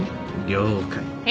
了解。